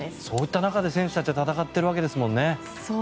そういった中で選手たちは戦っているわけですよね。